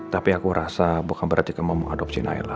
tapi aku rasa bukan berarti kamu mau adopsi naila